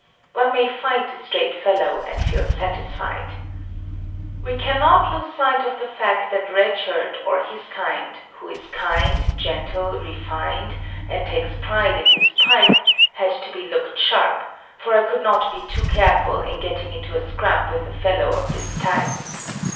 One may fight a straight fellow, and feel satisfied. We cannot lose sight of the fact that Red Shirt or his kind who is kind, gentle, refined, and takes pride in his pipe had to be looked sharp, for I could not be too careful in getting into a scrap with the fellow of this type.